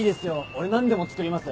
俺何でも作ります。